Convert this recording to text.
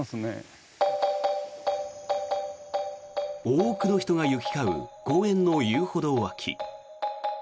多くの人が行き交う公園の遊歩道脇。